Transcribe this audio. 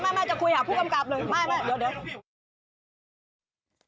ไม่ไม่จะคุยหาผู้กำกับเลยไม่เดี๋ยว